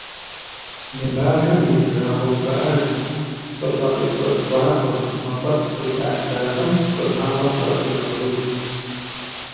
Ныбажэр ирырагъэувыӏэж, щӏыфэ къиткӏэткӏуахэм, мафӏэс зылъэӏэсахэм цӏынагъэр щӏэх егъэхъуж.